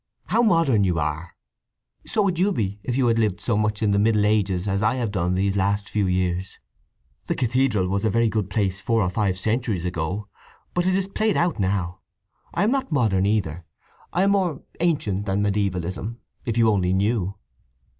"How modern you are!" "So would you be if you had lived so much in the Middle Ages as I have done these last few years! The cathedral was a very good place four or five centuries ago; but it is played out now… I am not modern, either. I am more ancient than mediævalism, if you only knew."